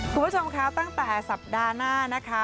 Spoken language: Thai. คุณผู้ชมคะตั้งแต่สัปดาห์หน้านะคะ